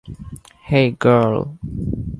হেই, girl.